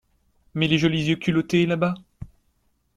Mais les jolis yeux culottés, là-bas!